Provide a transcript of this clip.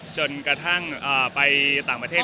จนกระทั่งไปต่างประเทศ